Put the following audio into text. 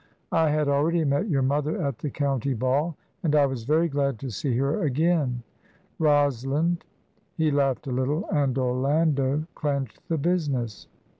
I had already met your mother at the county ball, and I was very glad to see her again. Rosalind" he laughed a little "and Orlando clenched the business."